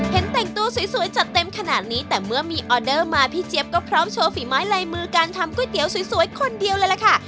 เห็นแต่งตัวสวยจัดเต็มขนาดนี้แต่เมื่อมีออเดอร์มาพี่เจี๊ยบก็พร้อมโชว์ฝีไม้ลายมือการทำก๋วยเตี๋ยวสวยคนเดียวเลยล่ะค่ะ